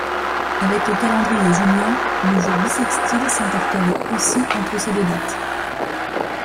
Avec le calendrier julien, le jour bissextile s'intercalait aussi entre ces deux dates.